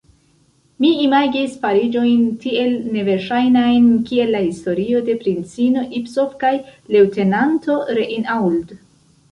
Mi imagis fariĝojn tiel neverŝajnajn, kiel la historio de princino Ipsof kaj leŭtenanto Reinauld.